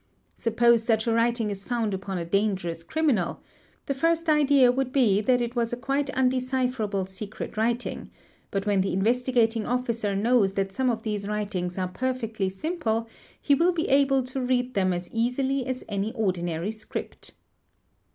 |:| Suppose such a writing is found upon a dangerous criminal ; the first idea would be that it was a quite undecipherable secret writing; but when the Investigating Officer knows that some of these writings are _ perfectly simple he will be able to read them as easily as any ordinary _ script.